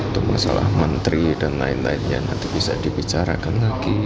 untuk masalah menteri dan lain lainnya nanti bisa dibicarakan lagi